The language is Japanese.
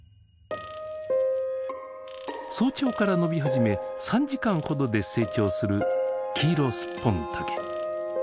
早朝から伸び始め３時間ほどで成長するキイロスッポンタケ。